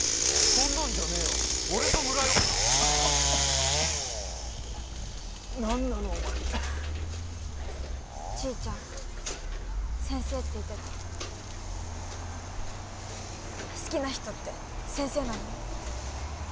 そんなんじゃねえわ俺と村井はあっ何なのお前ちーちゃん先生って言ってた好きな人って先生なの？